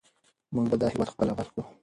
موږ به دا هېواد پخپله اباد کړو.